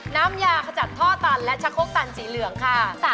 น้ำยาขจัดท่อตันและชะโคกตันสีเหลืองค่ะ